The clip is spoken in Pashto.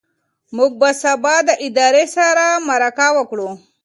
موږ به سبا د ادارې سره مرکه وکړو.